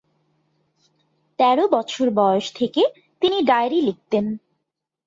তের বছর বয়স থেকে তিনি ডায়েরি লিখতেন।